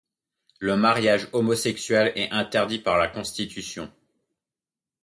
Le mariage homosexuel est interdit par la Constitution.